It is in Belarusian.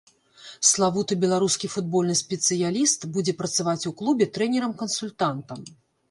Славуты беларускі футбольны спецыяліст будзе працаваць у клубе трэнерам-кансультантам.